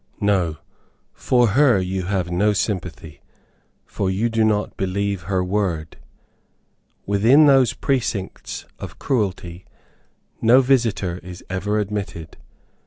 No; for her you have no sympathy, for you do not believe her word. Within those precincts of cruelty, no visitor is ever admitted.